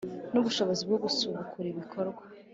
N ubushobozi bwo gusubukura ibikorwa